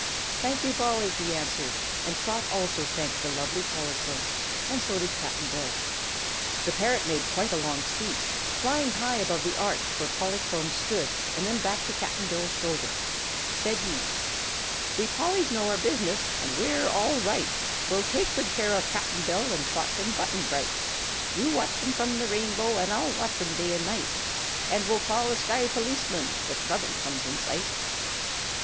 "Thank you, Polly," he answered, and Trot also thanked the lovely Polychrome and so did Cap'n Bill. The parrot made quite a long speech, flying high above the arch where Polychrome stood and then back to Cap'n Bill's shoulder. Said he: "We Pollys know our business, and we're all right! We'll take good care of Cap'n Bill and Trot and Button Bright You watch 'em from the Rainbow, and I'll watch day and night, And we'll call a sky policeman if trouble comes in sight!"